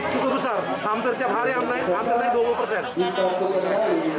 cukup besar hampir setiap hari hampir dua puluh persen